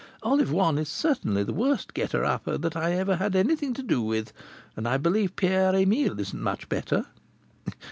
"Olive One is certainly the worst getter up that I ever had anything to do with, and I believe Pierre Emile isn't much better."